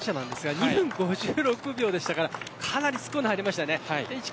２分５６秒でしたからかなり突っ込んで入りました。